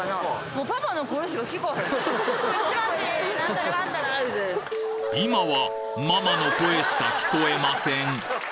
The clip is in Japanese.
もしもし、今はママの声しか聞こえません。